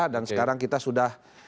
dan sekarang kita sudah